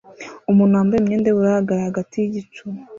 Umuntu wambaye imyenda yubururu ahagarara hagati yigicu